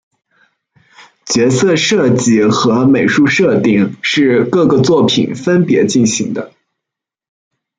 角色设计与美术设定是各个作品分别进行的。